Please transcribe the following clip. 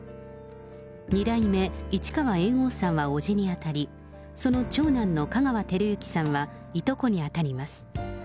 二代目市川猿翁さんは伯父に当たり、その長男の香川照之さんはいとこに当たります。